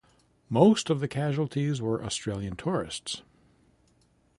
Most of the casualties were Australian tourists.